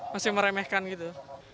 masih meremehkan gitu